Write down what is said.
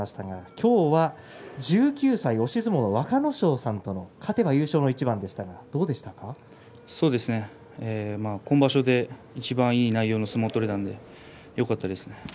今日は１９歳の押し相撲の若ノ勝さんと勝てば優勝の今場所でいちばんいい内容の相撲が取れたのでよかったです。